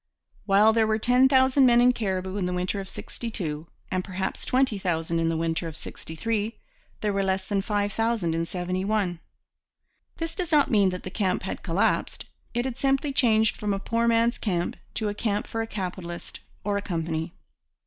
While there were ten thousand men in Cariboo in the winter of '62 and perhaps twenty thousand in the winter of '63, there were less than five thousand in '71. This does not mean that the camp had collapsed. It had simply changed from a poor man's camp to a camp for a capitalist or a company.